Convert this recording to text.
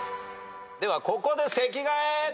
ではここで席替え。